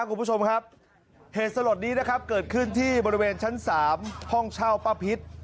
คุณผู้ชมครับเหตุสลดนี้นะครับเกิดขึ้นที่บริเวณชั้น๓ห้องเช่าป้าพิษ